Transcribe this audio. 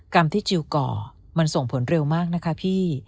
กรรมที่จิลก่อมันส่งผลเร็วมากนะคะพี่